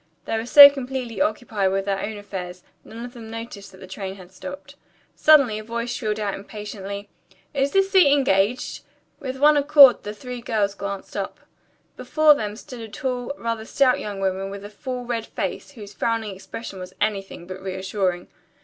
They were so completely occupied with their own affairs, none of them noticed that the train had stopped. Suddenly a voice shrilled out impatiently, "Is this seat engaged?" With one accord the three girls glanced up. Before them stood a tall, rather stout young woman with a full, red face, whose frowning expression was anything but reassuring.